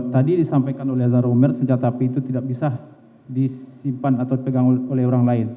tadi disampaikan oleh aza romer senjata api itu tidak bisa disimpan atau dipegang oleh orang lain